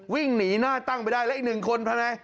วิ่งหนีหน้าตั้งไปได้แล้วอีกหนึ่งคนทำไง